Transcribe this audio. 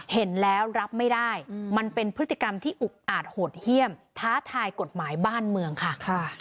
เห็นแล้วรับไม่ได้มันเป็นพฤติกรรมที่อุกอาจโหดเยี่ยมท้าทายกฎหมายบ้านเมืองค่ะ